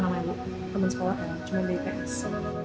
emang temen sekolah kan cuma dps